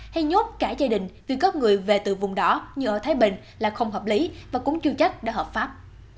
hay nhốt cả gia đình vì có người về từ vùng đỏ như ở thái bình là không hợp lý và cũng chưa chắc đã hợp pháp